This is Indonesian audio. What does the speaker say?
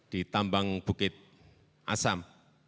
di tambang bukit asam